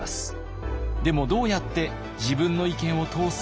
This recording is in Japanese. でもどうやって自分の意見を通す？